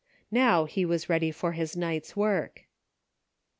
Now he was ready for his night's work.